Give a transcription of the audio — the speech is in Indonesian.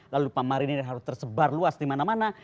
lalu pemarinir harus tersebar luas dimana mana